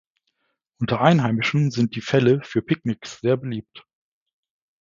Unter Einheimischen sind die Fälle für Picknicks sehr beliebt.